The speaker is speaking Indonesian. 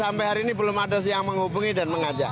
sampai hari ini belum ada yang menghubungi dan mengajak